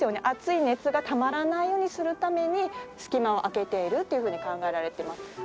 熱い熱がたまらないようにするために隙間を空けているというふうに考えられてます。